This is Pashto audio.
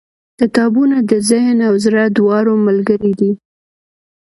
• کتابونه د ذهن او زړه دواړو ملګري دي.